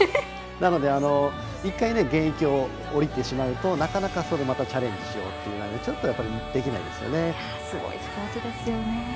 なので、１回現役を終えてしまうとなかなかまたチャレンジしようとはちょっと、できないですよね。